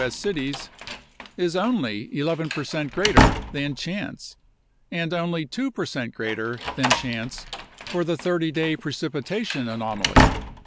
S. cities is only 11 percent greater than chance and only 2 percent greater than chance for the 30 day precipitation anomaly.